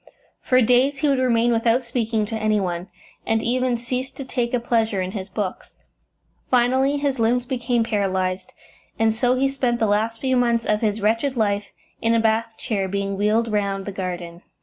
For days he would remain without speaking to any one, and even ceased to take a pleasure in his books. Finally his limbs became paralysed, and so he spent the last few months of his wretched life in a bath chair, being wheeled round the garden.